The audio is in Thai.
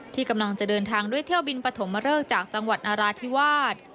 ที่กำลังจะเดินทางด้วยเที่ยวบินปฐมเริกจากจังหวัดนราธิวาส